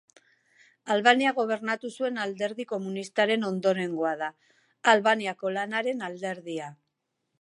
Albania gobernatu zuen alderdi komunistaren ondorengoa da: Albaniako Lanaren Alderdia.